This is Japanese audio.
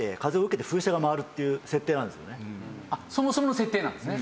そもそもの設定なんですね。